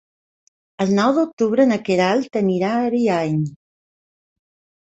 El nou d'octubre na Queralt anirà a Ariany.